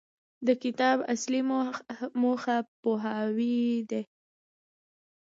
د کتاب اصلي موخه پوهاوی دی.